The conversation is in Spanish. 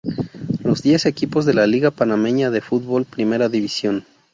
Los diez equipos de la Liga Panameña de Fútbol Primera División.